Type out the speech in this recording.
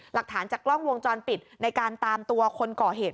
หลักฐานจากกล้องวงจรปิดในการตามตัวคนก่อเหตุ